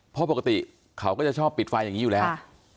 เพราะปกติเขาก็จะชอบปิดไฟอย่างนี้อยู่แล้ว